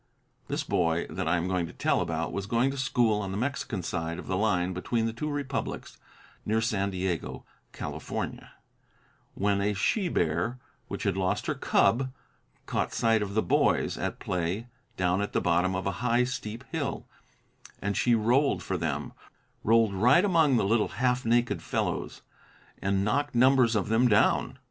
This boy that I am going to tell about was going to school on the Mexican side of the line between the two republics, near San Diego, California, when a she bear which had lost her cub caught sight of the boys at play down at the bottom of a high, steep hill, and she rolled for them, rolled right among the little, half naked fellows, and knocked numbers of them down.